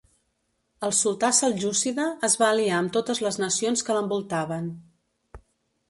El sultà seljúcida es va aliar amb totes les nacions que l'envoltaven.